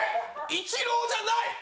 イチローじゃない。